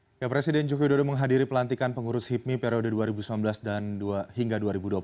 pemirsa presiden jokowi dodo menghadiri pelantikan pengurus hipmi periode dua ribu sembilan belas hingga dua ribu dua puluh dua